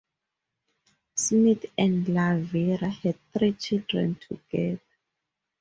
Smith and Lavira had three children together.